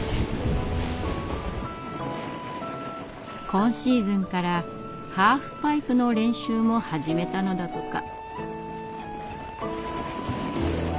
今シーズンからハーフパイプの練習も始めたのだとか。